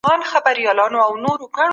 د الله له عذاب څخه ووېرېږئ.